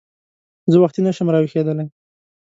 زه وختي نه شم راویښېدلی !